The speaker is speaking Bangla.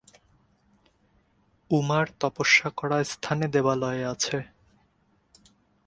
উমার তপস্যা করা স্থানে দেবালয় আছে।